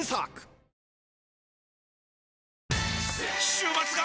週末が！！